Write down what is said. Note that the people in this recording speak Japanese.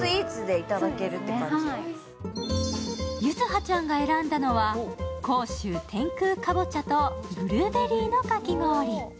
柚葉ちゃんが選んだのは甲州天空かぼちゃとブルーベリーのかき氷。